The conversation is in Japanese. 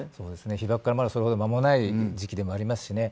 被ばくからそれほど間もない時期でもありますしね。